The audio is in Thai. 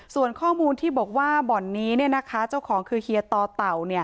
ส่วนข้อมูลที่บอกว่าบ่อนนี้เจ้าของคือเฮียต่อเต่า